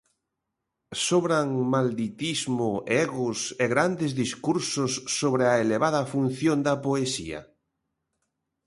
Sobran malditismo, egos e grandes discursos sobre a elevada función da poesía?